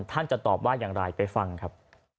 ท่านจะตอบว่ายังไหร่ได้ฟังครับ